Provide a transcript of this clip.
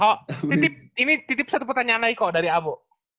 kok ini titip satu pertanyaan lagi kok dari abo